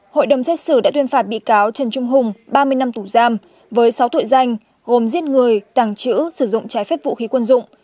hội đồng xét xử đã tuyên phạt bị cáo trần trung hùng ba mươi năm tù giam với sáu tội danh gồm giết người tàng trữ sử dụng trái phép vũ khí quân dụng